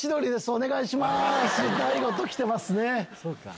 お願いします。